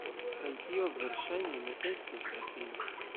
Kaj tio, verŝajne, ne estos la fino.